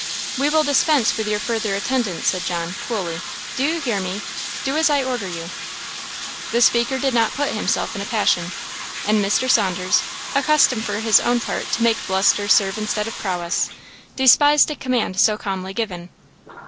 "We will dispense with your further attendance," said John, coolly. "Do you hear me? do as I order you!" The speaker did not put himself in a passion, and Mr. Saunders, accustomed for his own part to make bluster serve instead of prowess, despised a command so calmly given.